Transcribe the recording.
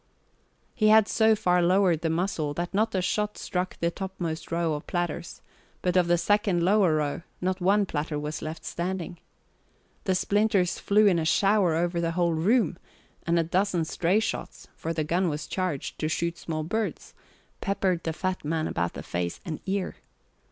He had so far lowered the muzzle that not a shot struck the topmost row of platters, but of the second lower row, not one platter was left standing. The splinters flew in a shower over the whole room, and a dozen stray shots for the gun was charged to shoot small birds peppered the fat man about the face and ear.